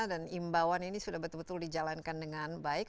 dan imbauan ini sudah betul betul dijalankan dengan baik